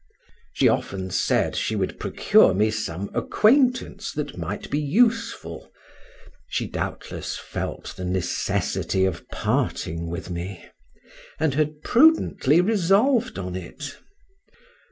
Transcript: She often said, she would procure me some acquaintance that might be useful; she doubtless felt the necessity of parting with me, and had prudently resolved on it.